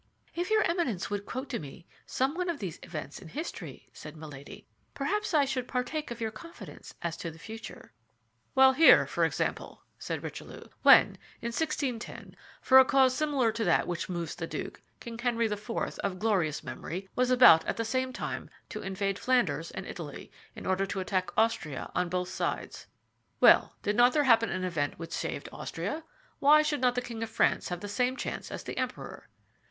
"If your Eminence would quote to me some one of these events in history," said Milady, "perhaps I should partake of your confidence as to the future." "Well, here, for example," said Richelieu: "when, in 1610, for a cause similar to that which moves the duke, King Henry IV., of glorious memory, was about, at the same time, to invade Flanders and Italy, in order to attack Austria on both sides. Well, did there not happen an event which saved Austria? Why should not the king of France have the same chance as the emperor?"